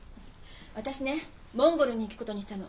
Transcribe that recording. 私ねモンゴルに行くことにしたの。